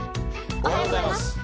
おはようございます。